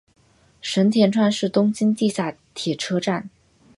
神田川是东京地下铁车站。